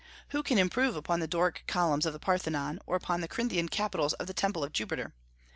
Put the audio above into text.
Who can improve upon the Doric columns of the Parthenon, or upon the Corinthian capitals of the Temple of Jupiter?